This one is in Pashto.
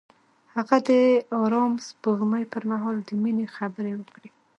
هغه د آرام سپوږمۍ پر مهال د مینې خبرې وکړې.